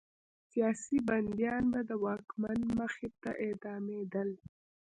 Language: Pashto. سیاسي بندیان به د واکمن مخې ته اعدامېدل.